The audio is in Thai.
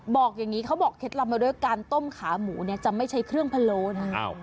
บอกอย่างนี้เขาบอกเท็จลำด้วยการต้มขาหมูจะไม่ใช่เครื่องพะโลนะ